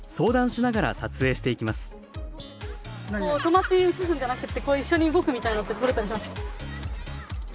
止まって写すんじゃなくって一緒に動くみたいのって撮れたりしますか？